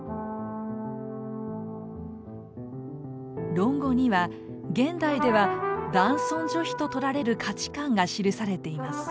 「論語」には現代では男尊女卑ととられる価値観が記されています。